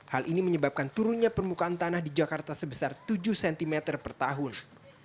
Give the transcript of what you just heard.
hal ini menyebabkan turunnya permukaan tanah di jakarta sebesar tujuh cm per tahun